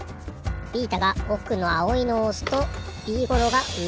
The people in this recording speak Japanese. ビータがおくのあおいのをおすとビーゴローがうえへしゅっぱつ。